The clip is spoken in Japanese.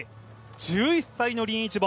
１１歳の林逸凡。